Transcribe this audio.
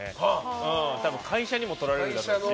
たぶん会社にも取られるだろうし。